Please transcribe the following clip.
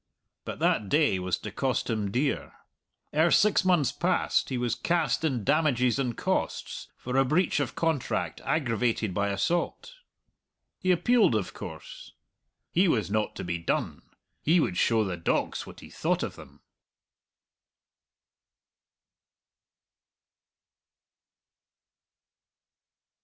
But that day was to cost him dear. Ere six months passed he was cast in damages and costs for a breach of contract aggravated by assault. He appealed, of course. He was not to be done; he would show the dogs what he thought of them.